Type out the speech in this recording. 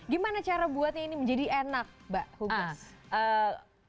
gimana cara buatnya ini menjadi enak mbak humas